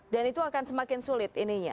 dan itu akan semakin sulit ininya